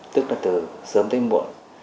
tức là từ sớm tới mùa